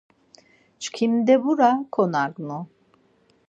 Çkimdebura konagnu.